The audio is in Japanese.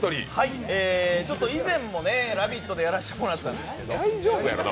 以前も「ラヴィット！」でやらせてもらったんですけど。